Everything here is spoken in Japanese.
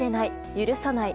許さない！